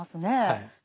はい。